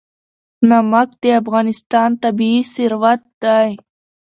نمک د افغانستان طبعي ثروت دی.